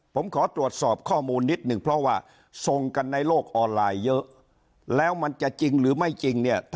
ผมขอตรวจสอบข้อมูลนิดนึงเพราะว่าส่งกันในโลกออนไลน์เยอะแล้วมันจะจริงหรือไม่จริงเนี่ย